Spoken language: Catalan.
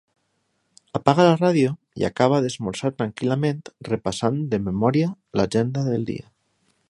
Apaga la ràdio i acaba d'esmorzar tranquil·lament repassant de memòria l'agenda del dia.